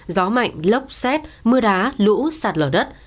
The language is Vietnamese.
gió mạnh lốc xét mưa đá lũ sạt lở đất